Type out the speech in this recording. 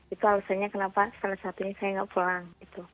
itu alasannya kenapa setelah saat ini saya tidak pulang